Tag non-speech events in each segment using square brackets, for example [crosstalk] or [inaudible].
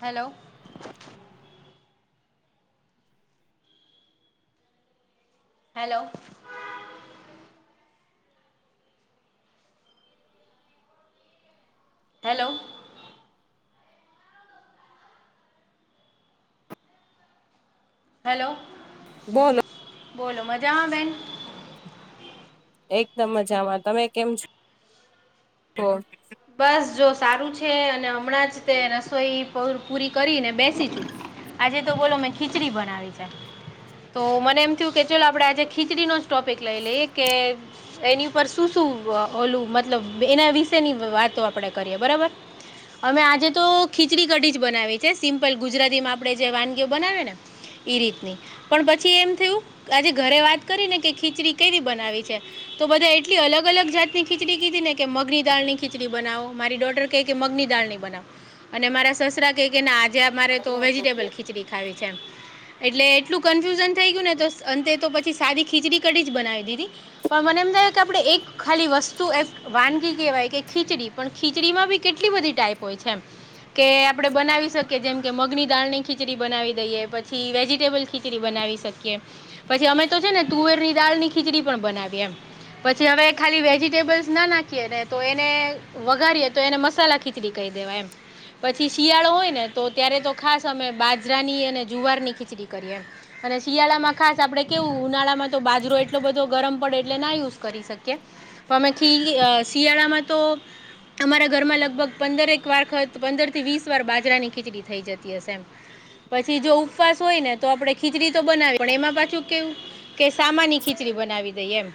Hello hello hello hello બોલો બોલો મજામાં બેન. એકદમ મજામાં તમે કેમ છ બસ જો સારું છે અને હમણાં જ તે રસોઈ પૂરી કરીને બેસી તું આજે તો બોલો મેં ખીચડી બનાવી છે તો મને એમ થયું કે ચલો આપડે આજે ખીચડીનોો જ ટોપિક લઈ લઈએ કે એની ઉપર શું શું ઓલું મતલબ એના વિશેની વાતો આપણેે કરીએ બરાબર અમે આજે તો ખીચડી કઢી જ બનાવી છે સિમ્પલ ગુજરાતી માં આપડે જે વાનગી બનાવે ને એ રીતની પણ પછી એમ થયું આજે ઘરે વાત કરી ને કે ખીચડી કેવી બનાવી છે તો બધા એટલી અલગ અલગ જાતની ખીચડી કીધી ને કે મગની દાળની ખીચડી બનાવો મારી ડોટર ક કે મગની દાળની બનાવ અને મારા સસરા આજે અમારે તો વેજીટેબલ ખીચડી ખાવી છે એટલે એટલું કન્ફ્યુન થઈ ગયું ને તો અંતે તો પછી સદી ખીચડી કડી જ બનાવી દીધી પણ મને એમ થાગ કે આપણેે એક ખાલી વસ્તુ વાનગી કેહેવાય કે ખીચડી પણ ખીચડીમાં બી કેટલી બધી ટાઈપ હોય છે એમ કે આપડે બનાવી શકીએ જેમ કે મગની દાળ ની ખીચડી બનાવી દઈએ પછી વેજીટેબલ ખીચડી ખીચડી બનાવી શકીએ પછી અમે તો છે ને તુવેર ની દાળ ની ખીચડી પણ બનાવીએ એમ પછી હવે ખાલી વેજીિટેબલ્સ ના નાખીએ ને તો વઘારીએ તો એને મસાલા ખીચડી કહી દેવા એમ પછી શિયાળો હોયને તો ત્યારે તો ખાસ અમે બાજરાની અને જુવાર ની ખીચડી કરીએ અને શિયાળામાં ખાસ આપડે કેવું ઉનાળામાં તો બાજરો એટલો બધો ગરમ પડે એટલે ના યુઝ કરી શકીએ આમાંથીથી શિયાળામાં તો અમારા ઘરમાં લગભગ પંદરેક વારખત પંદર થી વીસ વાર બાજરાની ખીચડી થઈ જતી હશે એમ પછી જો ઉપવાસ હોય ને તો આપડે ખીચડી તો બનાવી પણ એમાં પાછું કેવું કે સામાની ખીચડી બનાવી દઈ એમ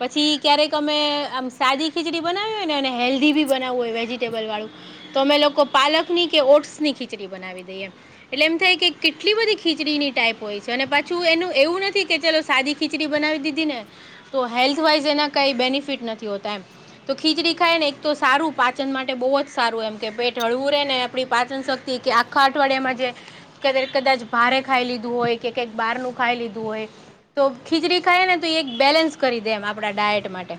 પછી ક્યારેક અમે આમ સાજી ખીચડી બનાવી હોય ને અને હેલ્ધી બી બવવું હોય વેજિટેબલ વાળું તો અમે લોકો પાલકની કે ઓટ્સ ની ખીચડી બનાવી દઈએ એટલે એમ થાય કે કેટલી બધી ખીચડીની ટાઈપ હોય છે અને પાછું એનું એવું નથી કે ચલો સાદી ખીચડી બનાવી દીધી ને તો હેલ્થવાઈઝ એના કાંઈ બેનિફિટ નથી હોતા એમ તો ખીચડી ખાય ને એક તો સારું પાચન માટે બહુ જ સારું એમ કે પેટ હળવું રે ને આપણી પાચન શક્તિ ત કે આખા આઠવાડિયામાંજ ક કદાચ ભારે ખાઈ લીધું હોય કે કઈક બારનુંું ખાઈ લીધું હોય તો ખીચડી ખાઈ ને તો એક બેલેન્સ કરી દેમ આપડા ડાયટ માટે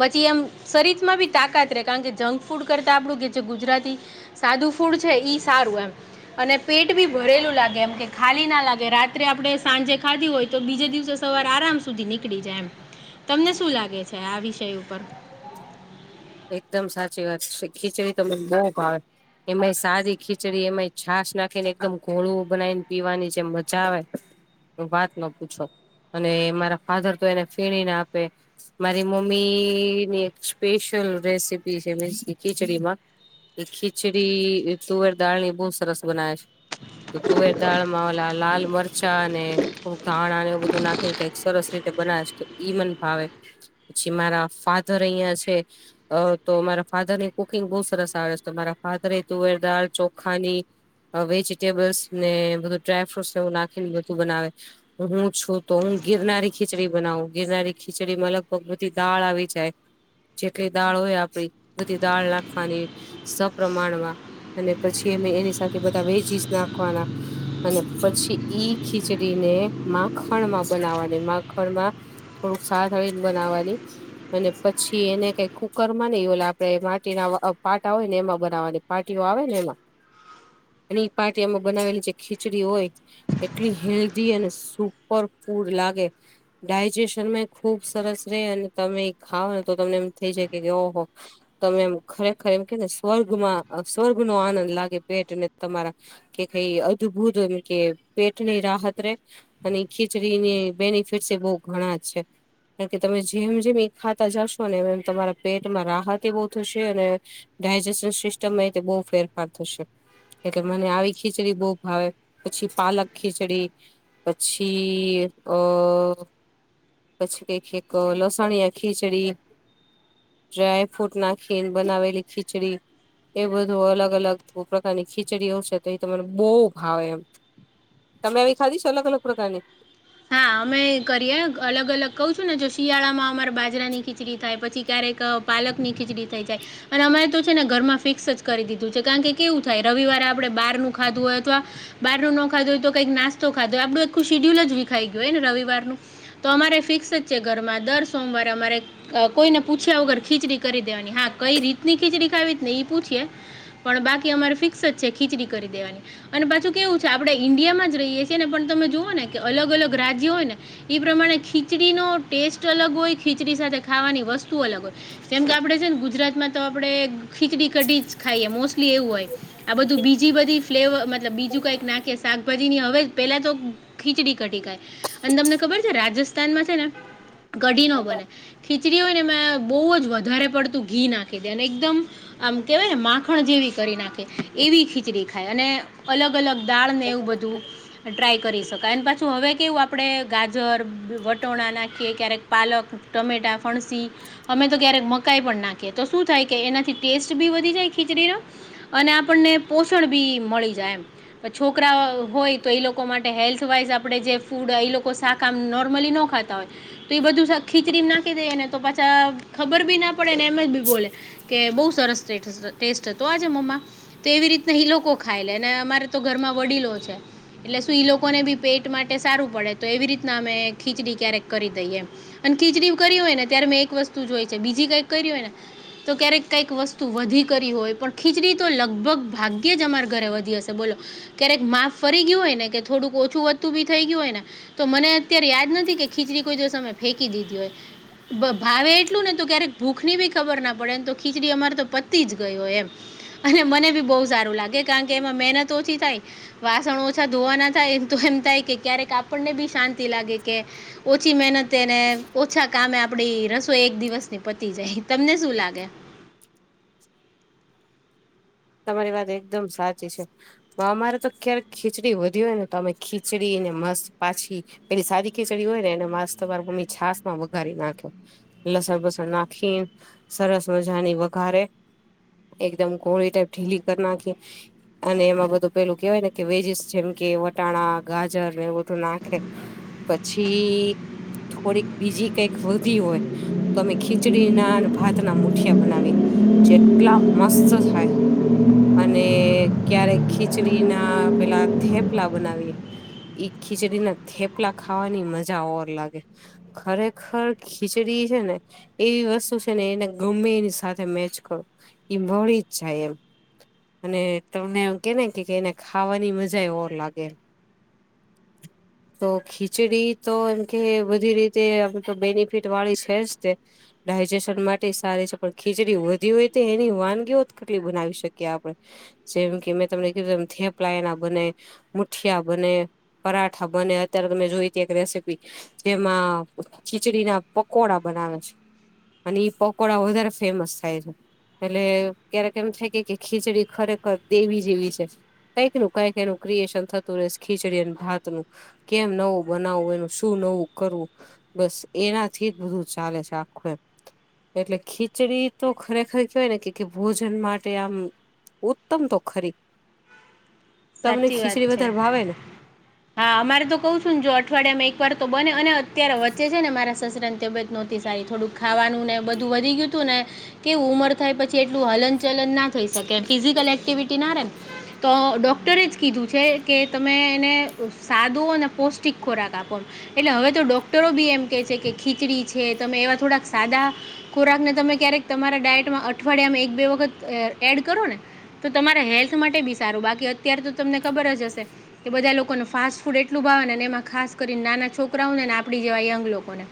પછી એમ શરીર માં બી તાકાત રહે કારણ કે જંક ફૂડ કરતા આપણું કે છે ગુજરાતી સાદું ફૂડ છે એ સારું એમ અને પેટ ભી ભરેલું લાગે એમ કે ખાલી ના લાગે રાત્રે આપડણે સાંજે ખાધી હોય તો બીજે દિવસે સવાર આરામ સુધી નીકળી જાય એમ તમને શું લાગે છે આ વિષય ઉપર એકદમ સાચી વાત છે ખીચડી તમને બહુ ભાવે એમાંય સારી ખીચડી એમાંય છાસ નાખી ને એકદમ ઘોળું બનાવીને પીવાની જે મજા આવે વાત ન પૂછો અને મારા ફાધર તો એને ફેણીને આપે મારી મમ્મી ની એક સ્પેશિયલ રેસીપી છે મીન્સ ખીચડીમાં એ ખીચડી તુવેર દાળની બહુ સરસ બનાવે છે તો તુવેર દાળમાં ઓલા લાલ મરચાં અને થોડુંક ધાણ આ એવું બધું નાખે ને કઈક સરસ રીતે બનાવે તો ઈ મન ભાવે પછી મારા ફાધર અહિયાં છે અ તો મારા ફાધર ને કુકિંગ બહુ સરસ આવે છે તો મારા ફાધર તુવેરદાળ ચોખાની- - વેજીિટેબલ્સ ને બધું ડ્રાયફ્રૂટ એવું નાખેને બધું બનાવે. હું છું તો હું ગિરનારી ખીચડી બનાવું ગિરનારી ખીચડી માં લગભગ બધી દાળ આવી જાય. જે કઈ દાળ હોય આપડી બધી દાળ નાખવાની સપ્રમાણમાં- - અને પછી અમે એની સાથે બધા વેજીસ નાખવાના- - અને પછી ઈ ખીચડીને માખણ માં બનાવવાની માખણ માં- - થોડુંક સાથળીને બનાવાની અને પછી- - એને કઈ કુકર માં નઈલે આપડે માટીના પાટા હોય ને એમાં બનાવાની પાટીઓ આવે ને એમાં- - [inaudible] અને એ પાારટી એમાં બનાવેલી જે ખીચડી હોય- - એટલી હેલ્ધી અને સુપર ફૂડ લાગે- - ડાયજેશનમાં ખુબ સરસ ર અને તમે ખાવ ને તો તમને એમ થઇ જાય ઓહો- - તમે એમ ખરેખર એમ કે ને સ્વર્ગમાં સ્વર્ગ નો આનંદ લાગે પેટ ને તમારા- - કે કઈ અદભુત કે પેટની રાહત રે- - અને ખીચડીની બેનિફિટસ એ બહ ઘણા છે. કારણ કે તમે જેમ જેમ એ ખાતા જશો ને એમ એમ તમારા પેટમાં રાહત એ બહુ થશે અને- - ડાયજેશન સિસ્ટમમાં બહુ ફેરફાર થશે. એટલે મને આવી ખીચડી બહુ ભાવે પછી પાલક ખીચડી- - પછી અ- - પછી કઈક એક લસણય ખીચડી- - ડ્રાયફ્રૂટ નાખીને બનાવેલી ખીચડી- - એ બધું અલગ અલગ પ્રકારની ખીચડી આવશે તો એ તમાને બહુ ભાવે એમ- - તમે ખાધીશું અલગ અલગ પ્રકારને? હા અમે કરીએ અલગ અલગ કહું છું ને જો શિયાળામાં અમારા બાજરાની ખીચડી થાય પછી ક્યારેક- - પાલકની ખીચડી થઈ જાય- - અને અમારે તો છે ને ઘરમાં ફિક્સ જ કરી દીધું છે કારણ કે કેવું થાય રવિવારે આપણેે બાર નનું ખાધું હોય અથવા- - બારું નોાધ હોય તો કંઈક નાસ્તોાધોય આપડું આખું શડ્યુલ જ વિખાઈ ગયુંય ને રવિવારનું- - તો અમારે ફિક્સ જ છે ઘરમાં દર સોમવારે અમારે- - કોઈને પૂછ્યા વગર ખીચડી કરી દેવાની હા કઈ રીતની ખીચડી ખાવી ને પૂછીય- - પણ બાકી અમારે ફિક્સ જ છે ખીચડી કરી દેવાની- - અને પાછું કેવું છે આપણે ઈન્ડિયામાં જ રહીએ છીએ ને પણ તમે જુઓ ને કે અલગ અલગ રાજ્ય હોય ને- - એ પ્રમાણે ખીચડીનો ટેસ્ટ અલગ હોય ખીચડી સાથે ખાવાની વસ્તુ અલગ હોય- - જેમ કે આપડે છે ને ગુજરાતમાં તો આપડણે ખીચડી કઢી જ ખાઈએ મોસ્ટલી એવું હોય- - આ બધું બીજી બધી ફ્લેવર મતલબ બીજું કઈક નાખી શાકભાજીની હવે પેલા તો- - ખીચડી કઢી ગાય અને તમને ખબર છે રાજસ્થાનમાં છે ને કઢી ન બને- - ખીચડી હોય ને મેં બહુ જ વધારે પડતું ઘી નાખી દે અને એકદમ- - આમ કેવાય ને માખણ જેવી કરી નાખે એવી ખીચડી ખાય અને અલગ અલગ- - દાળને એવું બધું ટ્રાય કરી શકું- - એને પાછું હવે કેવું આપણે ગાજર વટોણા નાખીએ ક્યારેક પાલક ટમેટા ફણસી- - અમે તો ક્યારેક મકાઈ પણ નાખીએ તો શું થાય કે એનાથી ટેસ્ટ ભી વધી જાય ખીચડીનો- - અને આપણને પોષણ બી મળી જાય એમ છોકરા હોય તો એ લોકો માટે હેલ્થ- - આપે જે ફૂડ એ લોકો શાક નોર્મલી ન ખાતા હોય તો એ બધું ખીચડી નાખ- - દેને તો પાછા ખબર બી ના પડેને એમ જ બી બોલે- - કે બહુ સરસ ટેસ્ટ હતો આજે મોમા. તો એવી રીતના ઈ લોકો ખાઈ લે અને અમારે તો ઘરમાં વડીલો છે એટલે શું ઈ લોકો- - લોકોને બી પેટ માટે સારું પડે તો એવી રીતના અમે ખીચડી ક્યારેક કરી દઈએ. અને ખીચડી કરી હોય ને ત્યારે મેં એક વસ્તુ જોય છે બીજી કઈક કરી હોય ને- - તો ક્યારેક કઈક વસ્તુ વધી કરી હોય પણ ખીચડી તો લગભગ- - ભાગ્યે જ અમારા ઘરે વધી હશે બોલો ક્યારેક માફ ફરી ગયું હોય ને કે- - થોડુંક ઓછું વધતું બી થઈ ગયું હોયને- - તો મને અત્યારે યાદ નથી કે ખીચડી કોઈ દિવસ અમે ફેંકી દીધી હોય ભાવે એટલું ને તો ક્યારેક ભૂખ ની બી ખબર ના પડે એમ તો ખીચડી અમારે તો પતી જ ગયો એમ અને મને ભી બહુ સારું લાગે કારણ કે એમાં મહેનત ઓછી થાય વાસણ ઓછા ધોવાના એમ થાય કે ક્યારેક આપણને બી શાંતિ લ કે ઓછી મહેનતેને ઓછા કા આપડી ર એક દિવસ ની પતી જાય તમને શું લાગે તમારી વાત એકદમ સાચી છે હ અમારે તો ક્યારે ખીચડી વધી હોય ને તો અમે ખીચડીને મસ્ત પાછી પેલી સાદી ખીચડી હોય ને એને માસ્ તમારા મમ્મી છાસ માં વઘારી નાખ્યો લસણ બસણ નાખી સરસ મજાની વઘારે એકદમ કોળી ટાઈપ ઢીલી કર નાખ અને એમાં બધું પેલું કેહેવાય ને કે વેજીસ જેમ કે વટાણા ગાજર ને એવું બધું નાખે પછી થોડીક બીજી કઈક વધી હોય તો અમે ખીચડીના અને ભાત ના મુઠિયા બનાવી જેટલા મસ્ત થાય અને ક્યારેક ખીચડી ના પેલા થેપલા બનાવીએ ખીચડીના થેપલા ખાવાની મજા ઓર લાગે ખરેખર ખીચડી છે ને એવી વસ્તુ છે ને એને ગમે એની સાથે મેચ કરો એ મળી જ જાય એમ અને તમને એ કેને કે એને ખાવાની મજા એ ઓવ લાગે હ તો ખીચડી તો એમ કે બધી રીતેમ તો બેનિફિટ વાળી છે જ તે ડાયજેશન માટે સારી છે પણ ખીચડી વધી હોય તો એની વાનગીઓ કેટલી બનાવી શકે કે આપડે જેમ કે મેં તમને કીધુંું થેપલાયા ના બને મુઠિયા બને પરાઠા બને અત્યારે મેં જોઈ ત એક રેસીપી જેમાં ખીચડી ના પકોડા બનાવે છે અને ઈ પકોડા વધારે ફેમસ થાય છે એટલે ક્યારેક એમ થાય કે ખીચડી ખરેખર દેવી જેવી છે કંઈક નું કઈક એનું ક્રિએશન થતું રહેસ ખીચડી અને ભાત નું કેમ નવું બનાવવું એનું શું નવું કરવું બસ એનાથી જ બધું ચાલે છે આખું એમ એટલે ખીચડી તો ખરેખર કેવાય ને કે ભોજન માટે આમ ઉત્તમ તો ખરી તમની સાચી વાત ખીચડી છે વધારે ભાવે ને હા અમારે તો કઉ છું ને જો અઠવાડિયા માં એક વાર તો બને અને અત્યારે વચે છે ને મારા સસર તબિયત નહોતી સારી થોડુંક ખાવાનું ને બધું વધી ગયું હતું ને કે ઉમર થાય પછી એટલું હલન ચલન ના થઈ શકે ફિઝિકલ એક્ટિવિટી ના રેમ તો ડર ડૉક્ટરે જ કીધું છે કે તમે એને સાદો અને પૌષ્ટિક ખોરાક આપો એટલે હવે તો ડોક્ટરો બી એમ કે છે કે ખીચડી છે તમે એવા થોડાક સાદા ખોરાક ને તમે ક્યારેક તમારા ડાયટમાં અઠવાડિયામાં એક બે વખત એડ કરો ને તો તમારા હેલ્થ માટે બી સારું બાકી અત્ય્યારે તો તમને ખબર જ હશે એ બધા લોકોને ફાસ્ટ ફૂડ એટલું ભાવે એમાં ખાસ કરીને નાના છોકરાઓ ને ને આપડી જેવા યંગ લોકોને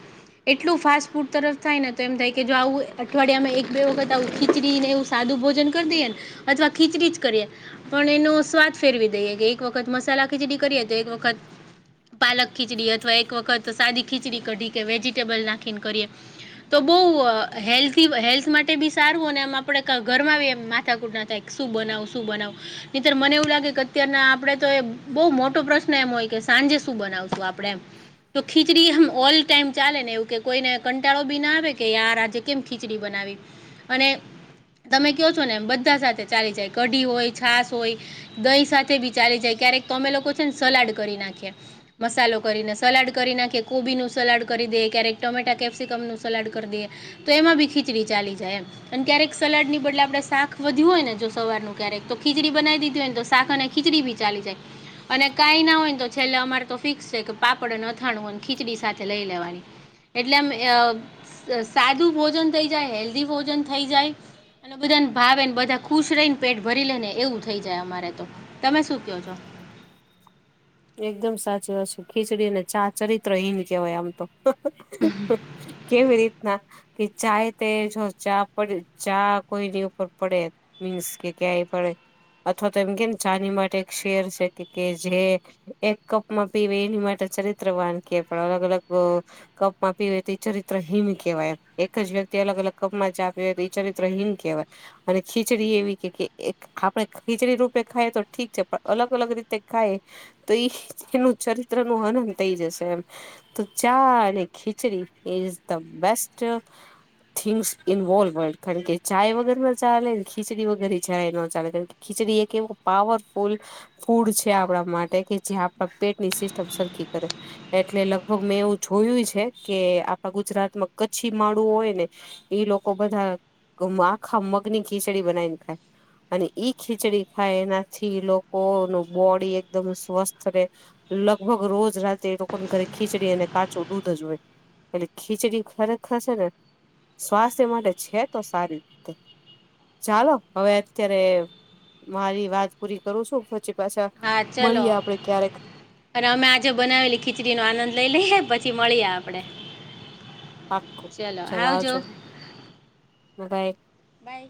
એટલું ફાસ્ટ ફૂડ તરફ થાય ને તો એમ થાય કે જો આવું અઠવાડિયામાં એક બે વખત આવું ખીચડીને એું સાદું ભોજન કરી દઈએને અથવા ખીચડી જ કરીએ પણ એનો સ્વાદ ફેરવી દઈએ કે એક વખત મસાલા ખીચડી કરીએ તો એક વખત પાલક ખીચડી અથવા એક વખત સાદી ખીચડી કઢી કે વેજીિટેબલ નાખીને કરીએ તો બઉ હેલ્ હેલ્થ માટે બી સારું અને એમ આપડે ઘરમાં માથા કુટના થાય શું બનાવ શું બનાવ અ મને એવું લાગે કે અત્યારના આપડે તો એ બહુ મોટો પ્રશ્ન એમ હોય કે સાંજે શું બનાવશું આપડે એમ તો ખીચડી આમ ઓલ ટાઈમ ચાલે ને એવું કે કોઈને કંટાળો બી ના આવે કે યાર આજે કેમ ખીચડી બનાવી અને તમે કહો છો ને એમ બધા સાથે ચાલી જાય કઢી હોય છાસ હોય દહીં સાથે બી ચાલી જાય ક્યારેક અમે લોકો છે ને સલાડ કરી નાખ્યા મસાલો કરીને સલાડ કરી નાખી કોબી નું સલાડ કરી દેએ ક્યારેક ટોમેટા કેપ્સિકમ નું સલાડ કરી દેએ તો એમાં ભી ખીચડી ચાલી જાય અને ક્યારેક સલાડ ની બદલે આપડે શાક વધ્યું હોય ને જો સવારનુંું ક્યારેક તો ખીચડી બનાવી દીધી તો શાક અને ખીચડી ભી ચાલી જાય અને કાઈ ના હોય ને તો છેલ્લે અમારે તો ફિક્સ છે કે પાપડ અથાણું અને ખીચડી સાથે લઈ લેવાની એટલેમ સાદું ભોજન થઈ જાય હેલ્ધી ભોજન થઈ જાય અને બધાને ભાવેને બધા ખુશ રહીને પેટ ભરી લે ને એવું થઈ જાય અમારે તો તમે શું કહો છો એકદમ સાચી વાત છે ખીચડીને ચા ચરિત્ર હહીન કહેવાય આમ તો કે ફરી ના કે ચાહે તે જો ચા પડે ચા કોઈની ઉપર પડે મીન્સ કે ક્યાંય પડે અથવા તો એમ કે ને ચાની માટે એક શેર છે કે કે જે એક કપમાં પીવે એની માટે ચરિત્ર વાનકીીએ પણ અલગ અલગ કપમાં પી હોય તો ચરિત્ર હિમ કહેવાય એક જ વ્યક્તિ અલગ અલગ કપમાં જ પી હોય તો એ ચરિત્ર હિમ કહેવાય અને ખીચડી એવી કે આપડણે ખીચડી રૂપે ખાઈએ તો ઠીક છે પણ અલગ અલગ રીતે ખાય તો એ એનું ચરિત્ર નું હનન થઇ જશે એમ તો ચા અને ખીચડી is the best things involve હોય કારણ કે ચાય વગેર ના ચાલે ને ખીચડી વગેરે ચાય ન ચાલે કારણ ખીચડી એક એવું પાવરફુલ ફૂડ છે આપડા માટે કે જે આપણા પેટ ની સિસ્ટમ સરખી કરે એટલે લગભગ મેં એવું જોયું છે કે આપણા ગુજરાતમાં કચ્છી માળું હોય ને એઈ લોકો બધા આખા મગની ખીચડી બનાવી ને ખાય અને ઈ ખીચડી ખાય એનાથી લોકો ન બોડી એક એકદમ સ્વસ્થ રહેે લગભગ રોજ રાતે એ લોકોને ઘરે ખીચડી અને કાચું દૂધ જ હોય એટલે ખીચડી ખરેખર છે ને સ્વાસ્થ્ય માટે છે તો સારી રીતે ચાલો હવે અત્યારે મારી વાત પૂરી કરું છું પછી પાછા હા ચાલો મળીએ આપડે ક્યારેક અને અમે આજે બનાવેલી ખીચડીનોો આનંદ લઈ લઈએ પછી મળીએ આપડે પાક ચલા આવજો જોોગ એક બાય